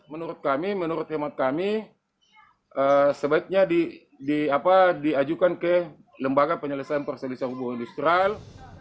menurut kami menurut hemat kami sebaiknya diajukan ke lembaga penyelesaian persediaan hubungan industrial